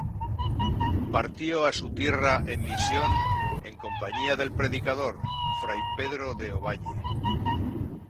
Partió a su tierra en misión en compañía del Predicador, Fray Pedro de Ovalle.